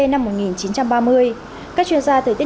năm một nghìn chín trăm ba mươi các chuyên gia thời tiết